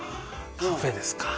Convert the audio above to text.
カフェですかうん